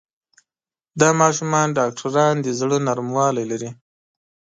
د ماشومانو ډاکټران د زړۀ نرموالی لري.